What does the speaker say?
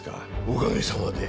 おかげさまで。